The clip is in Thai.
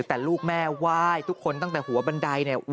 แต่ลูกแม่ไหว้ทุกคนตั้งแต่หัวบันไดเนี่ย